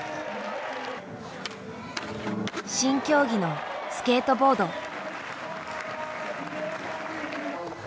新競技のスケートボード。